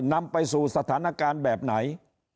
นำไปสู่สถานการณ์แบบไหน